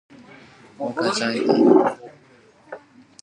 Workers joined in on this, and began to demand for increased wages.